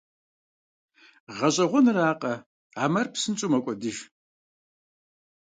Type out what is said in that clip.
ГъэщӀэгъуэныракъэ, а мэр псынщӀэу мэкӀуэдыж.